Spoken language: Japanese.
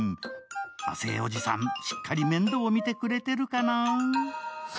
亜生おじさん、しっかり面倒見てくれてるかな？